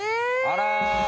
あら。